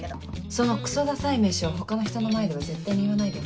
そのクソダサい名称他の人の前では絶対に言わないでね。